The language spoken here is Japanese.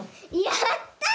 やった！